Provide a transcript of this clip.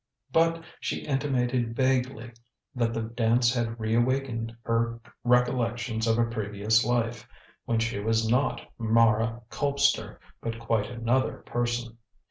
But she intimated vaguely that the dance had re awakened her recollections of a previous life, when she was not Mara Colpster, but quite another person.